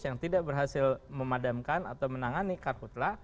yang tidak berhasil memadamkan atau menangani karhutlah